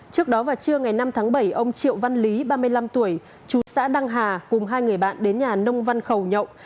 trước đó vào trưa ngày năm tháng bảy ông triệu văn lý ba mươi năm tuổi chú xã đăng hà cùng hai người bạn đến nhà nông văn khẩu nhậu